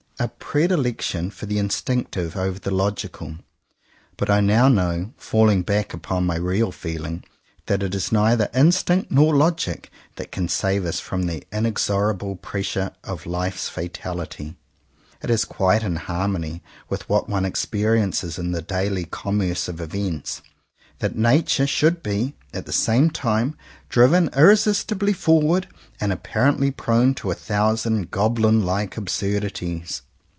— a predilection for the "instinctive," over the logical;" but I now know, falling back upon my real feeling, that it is neither instinct nor logic that can save us from the inexorable pressure of life's fatality. It is quite in harmony with what one experiences in the daily commerce of events, that nature should be, at the same time, driven ir resistibly forward, and apparently prone to a thousand goblin like absurdities.